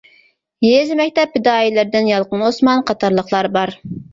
يېزا مەكتەپ پىدائىيلىرىدىن يالقۇن ئوسمان قاتارلىقلار بار.